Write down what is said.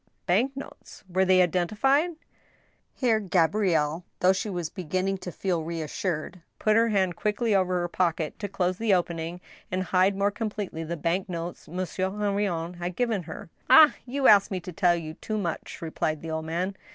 " Bank notes ! Were they identified ?" Here Gabrielle, though she was beginning to feel reassured, put her hand quickly over her pocket to close the opening and hide more completely the bank notes Monsieur Henrion had given her. " Ah ! you ask me to tell you too much," replied the old man.